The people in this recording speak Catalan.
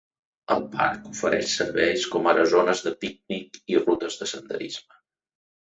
El parc ofereix serveis com ara zones de pícnic i rutes de senderisme.